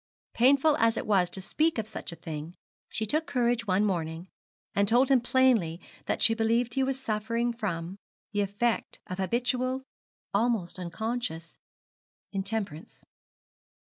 Painful as it was to speak of such a thing, she took courage one morning, and told him plainly that she believed he was suffering from, the effect of habitual almost unconscious intemperance.